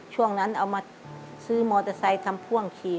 ช่วงนั้นเอามาซื้อมอเตอร์ไซค์ทำพ่วงขี่